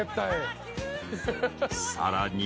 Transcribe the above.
［さらに］